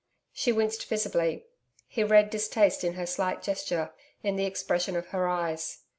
She winced visibly. He read distaste in her slight gesture, in the expression of her eyes.